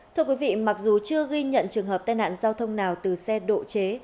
thưa quý vị mặc dù chưa ghi nhận trường hợp tai nạn giao thông nào từ xe độ chế